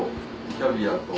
キャビア。